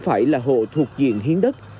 phải là hộ thuộc diện hiến đất